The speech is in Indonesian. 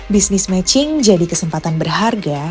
bisnis matching jadi kesempatan berharga